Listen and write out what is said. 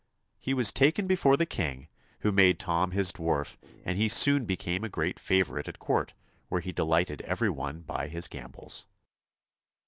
He was taken before the king, who THUMB made Tom his dwarf, and he soon became a great favourite at court, where he delighted every one by his gambols.